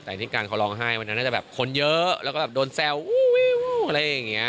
แต่ที่การเขาร้องไห้วันนั้นน่าจะแบบคนเยอะแล้วก็แบบโดนแซววิวอะไรอย่างนี้